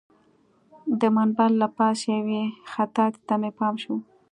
د منبر له پاسه یوې خطاطۍ ته مې پام شو.